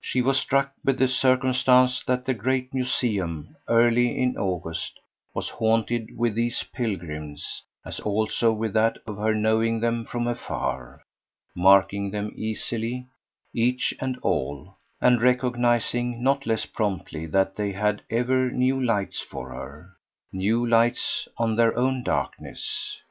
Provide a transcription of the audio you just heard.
She was struck with the circumstance that the great museum, early in August, was haunted with these pilgrims, as also with that of her knowing them from afar, marking them easily, each and all, and recognising not less promptly that they had ever new lights for her new lights on their own darkness.